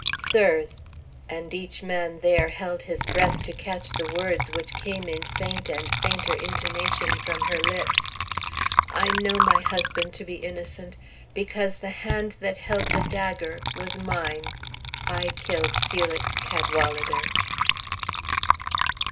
Sirs!" and each man there held his breath to catch the words which came in faint and fainter intonation from her lips, "I know my husband to be innocent, because the hand that held the dagger was mine. I killed Felix Cadwalader!"